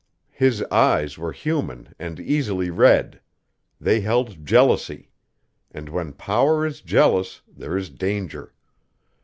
His eyes were human and easily read; they held jealousy; and when power is jealous there is danger.